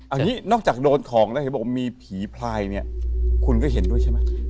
อันนี้นอกจากโดนของมีผีพลายคุณก็เห็นด้วยใช่มั้ย